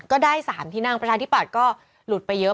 ก็ได้๓ที่นั่งประชาธิปัตย์ก็หลุดไปเยอะ